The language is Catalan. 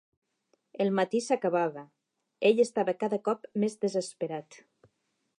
El matí s'acabava; ell estava cada cop més desesperat.